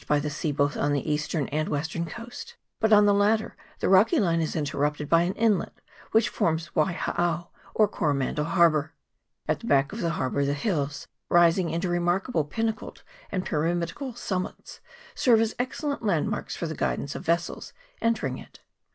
by the sea both on the eastern and western coast ; but on the latter the rocky line is interrupted by an inlet, which forms Waihao or Coromandel har bour : at the back of the harbour the hills, rising into remarkable pinnacled and pyramidical summits, serve as excellent landmarks for the guidance of ves sels entering it.